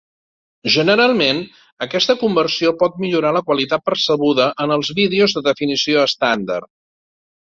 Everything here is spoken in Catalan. Generalment aquesta conversió pot millorar la qualitat percebuda en els vídeos de definició estàndard.